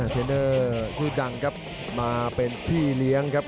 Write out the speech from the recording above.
เทรนเนอร์ชื่อดังครับมาเป็นพี่เลี้ยงครับ